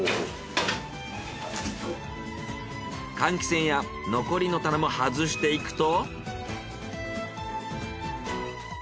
換気扇や残りの棚も外していくと。